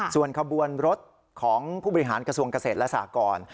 ส่วนขบวนรถของผู้บริหารกระทรวงเกษตรและสากร